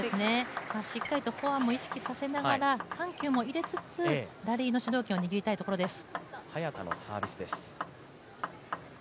しっかりとフォアも意識させながら、緩急も入れつつ、ラリーの主導権を握りたいところです。